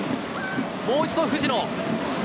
もう一度藤野。